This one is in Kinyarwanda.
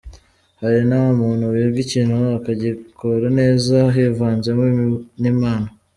Hari na wa muntu wiga ikintu akagikora neza hivanzemo n’impano.